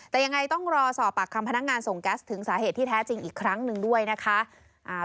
แต่ยังไงต้องรอสอบปากคำพนักงานส่งแก๊สถึงสาเหตุที่แท้จริงอีกครั้งหนึ่งด้วยนะคะ